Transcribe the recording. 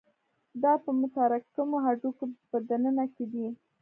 دا په متراکمو هډوکو په دننه کې دي.